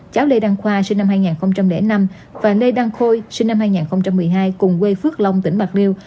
cháu lê đăng khoa sinh năm hai nghìn năm và lê đăng khôi sinh năm hai nghìn một mươi hai cùng quê phước long tỉnh bạc liêu